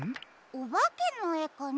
おばけのえかな？